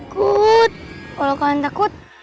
kalau kalian takut